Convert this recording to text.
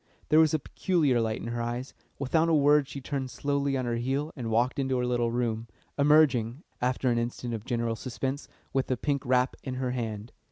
There was a peculiar light in her eyes. Without a word she turned slowly on her heel and walked into her little room, emerging, after an instant of general suspense, with the pink wrap in her hand.